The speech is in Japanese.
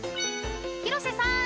［広瀬さん